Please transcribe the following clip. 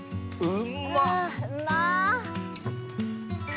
うまっ。